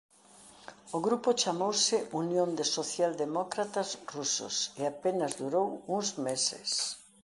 O grupo chamouse «Unión de Socialdemócratas Rusos» e apenas durou uns meses.